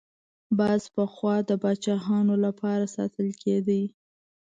باز پخوا د پاچایانو لپاره ساتل کېده